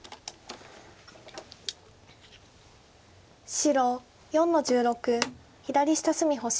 白４の十六左下隅星。